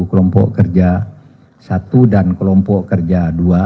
kelompok kerja satu dan kelompok kerja dua